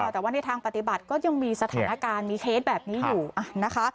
แต่ว่าในทางปฏิบัติก็ยังมีสถานการณ์มีเคสแบบนี้อยู่นะคะ